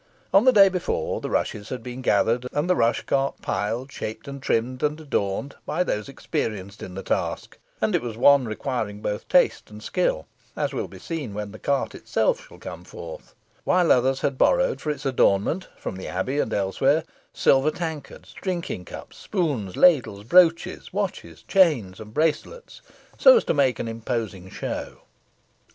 On the day before the rushes had been gathered, and the rush cart piled, shaped, trimmed, and adorned by those experienced in the task, (and it was one requiring both taste and skill, as will be seen when the cart itself shall come forth,) while others had borrowed for its adornment, from the abbey and elsewhere, silver tankards, drinking cups, spoons, ladles, brooches, watches, chains, and bracelets, so as to make an imposing show.